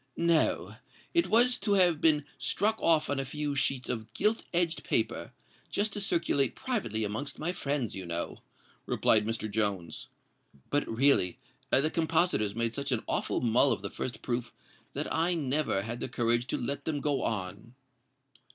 "No—it was to have been struck off on a few sheets of gilt edged paper—just to circulate privately amongst my friends, you know," replied Mr. Jones: "but really the compositors made such an awful mull of the first proof that I never had the courage to let them go on!"